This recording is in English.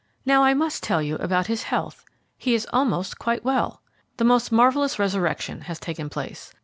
Now, I must tell you about his health. He is almost quite well. The most marvellous resurrection has taken place.